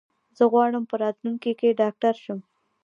زه غواړم په راتلونکي کې ډاکټر شم.